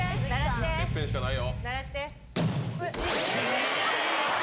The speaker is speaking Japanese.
てっぺんしかないよ。